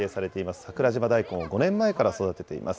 桜島大根を、５年前から育てています。